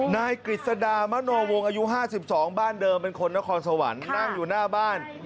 กฤษดามโนวงอายุ๕๒บ้านเดิมเป็นคนนครสวรรค์นั่งอยู่หน้าบ้าน